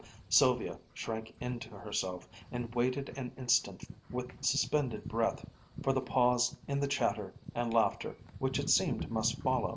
Sylvia shrank into herself and waited an instant with suspended breath for the pause in the chatter and laughter which it seemed must follow.